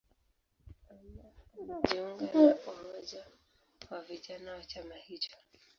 Anna alijiunga na umoja wa vijana wa chama hicho.